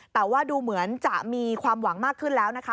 แต่ว่าดูเหมือนจะมีความหวังมากขึ้นแล้วนะคะ